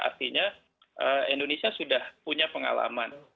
artinya indonesia sudah punya pengalaman